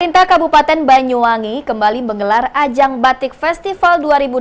perintah kabupaten banyuwangi kembali menggelar ajang batik festival dua ribu delapan belas